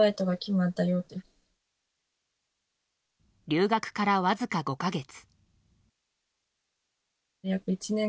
留学から、わずか５か月。